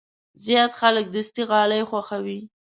زیات خلک دستي غالۍ خوښوي.